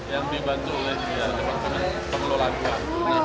yang dibantu oleh pengelolaan uang